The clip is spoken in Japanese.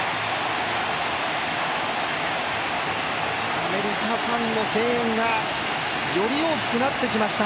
アメリカファンの声援がより大きくなってきました。